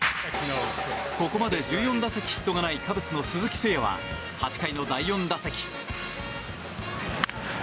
ここまで１４打席ヒットがないカブスの鈴木誠也は８回の第４打席。